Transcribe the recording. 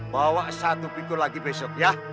bawa satu pikul lagi besok ya